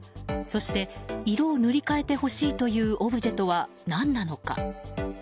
そして色を塗り替えてほしいというオブジェとは何なのか。